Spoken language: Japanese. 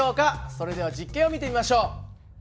それでは実験を見てみましょう。